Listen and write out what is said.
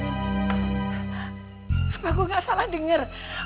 apa gue gak salah denger